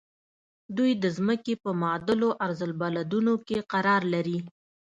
دوی د ځمکې په معتدلو عرض البلدونو کې قرار لري.